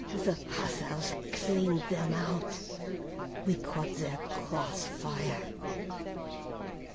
The hussars cleaned them out. We caught their cross fire."